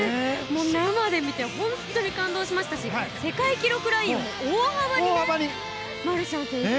生で見て本当に感動しましたし世界記録ラインを大幅にね、マルシャン選手。